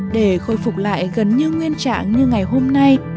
để khôi phục lại gần như nguyên trạng như ngày hôm nay